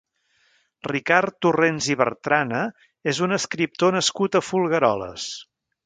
Ricard Torrents i Bertrana és un escriptor nascut a Folgueroles.